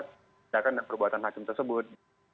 sedangkan perbuatan hakim tersebut